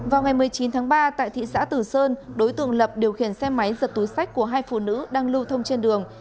vào ngày một mươi chín tháng ba tại thị xã tử sơn đối tượng lập điều khiển xe máy giật túi sách của hai phụ nữ đang lưu thông trên đường